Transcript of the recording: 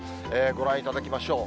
ご覧いただきましょう。